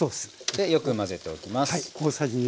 でよく混ぜておきます。